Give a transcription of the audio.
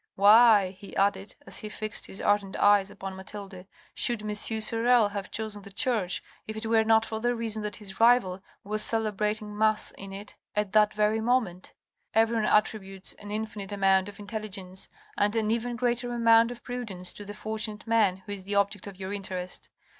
" Why," he added, as he fixed his ardent eyes upon Mathilde, " should M. Sorel have chosen the church, if it were not for the reason that his rival was celebrating mass in it at that very moment? Everyone attributes an infinite amount of intelligence and an even greater amount of prudence to the fortunate man who is the object of your interest.